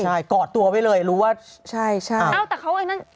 ใช่กอดตัวไว้เลยรู้ว่าใช่ใช่เอ้าแต่เขาไอ้นั่น